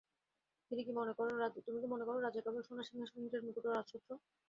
তুমি কি মনে কর রাজা কেবল সোনার সিংহাসন, হীরার মুকুট ও রাজছত্র?